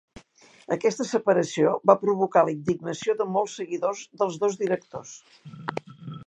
Aquesta separació va provocar la indignació de molts seguidors dels dos directors.